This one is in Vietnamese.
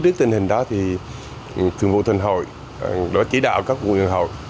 trước tình hình đó thì thường vụ thân hội đã chỉ đạo các vườn hội